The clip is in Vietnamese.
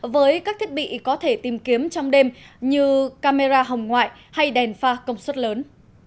với các thiết bị có thể tìm kiếm trong đêm như camera hồng ngoại hay đèn pha công suất lớn